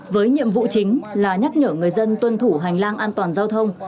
với nhiệm vụ chính là nhắc nhở người dân tuân thủ hành lang an toàn giao thông